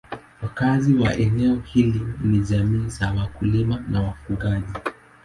Wakazi wa eneo hili ni jamii za wakulima na wafugaji.